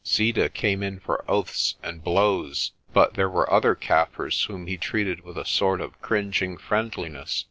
Zeeta came in for oaths and blows, but there were other Kaffirs whom he treated with a sort of cringing friendliness.